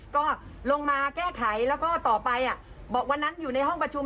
ก็ลงมาแก้ไขแล้วก็ต่อไปบอกวันนั้นอยู่ในห้องประชุม